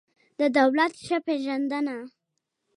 د دولت ښه پېژندنه